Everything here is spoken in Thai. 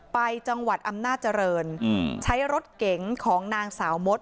ไปจังหวัดอำนาจริงใช้รถเก๋งของนางสาวมด